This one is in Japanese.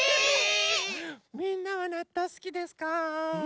みんなはなっとうすきですか？